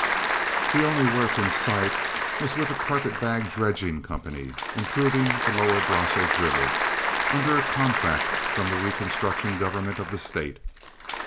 The only work in sight was with a carpet bag dredging company, improving the lower Brazos River, under a contract from the Reconstruction government of the State.